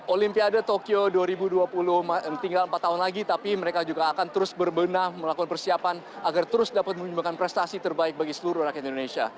olimpiade tokyo dua ribu dua puluh tinggal empat tahun lagi tapi mereka juga akan terus berbenah melakukan persiapan agar terus dapat menyumbangkan prestasi terbaik bagi seluruh rakyat indonesia